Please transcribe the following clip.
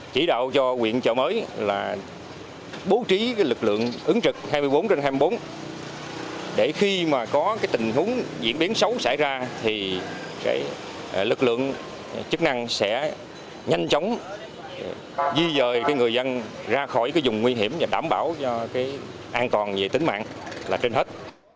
chỉ đạo cho quyện chợ mới là bố trí lực lượng ứng trực hai mươi bốn trên hai mươi bốn để khi mà có tình huống diễn biến xấu xảy ra thì lực lượng chức năng sẽ nhanh chóng di rời người dân ra khỏi vùng nguy hiểm và đảm bảo cho an toàn về tính mạng là trên hết